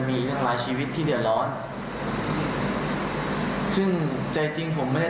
มีอย่างไรชีวิตที่เดี่ยวร้อนซึ่งใจจริงผมไม่ได้